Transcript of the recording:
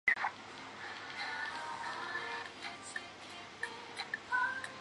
这使他碰遇上了斯莱特。